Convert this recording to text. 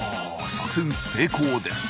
作戦成功です。